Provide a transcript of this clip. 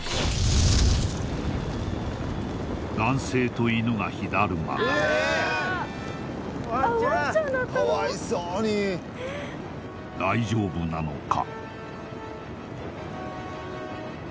男性と犬が火だるま大丈夫なのか？